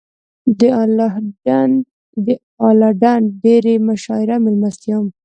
د اله ډنډ ډېرۍ مشاعره او مېلمستیا.